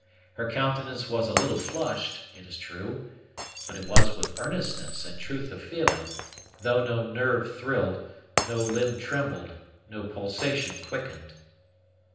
Her countenance was a little flushed, it is true; but it was with earnestness and truth of feeling, though no nerve thrilled, no limb trembled, no pulsation quickened.